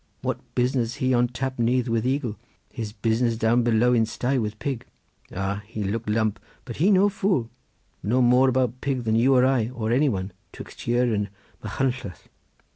What business he on Tap Nyth with eagle? His business down below in sty with pig. Ah, he look lump, but he no fool; know more about pig than you or I, or any one 'twixt here and Mahuncleth."